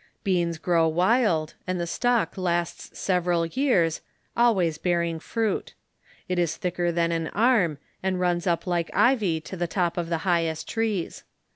Beans grow wild, and the stalk lasts several years, always bearing fruit ; it is thicker than an arm, and runs up like ivy to the top of the highest trees.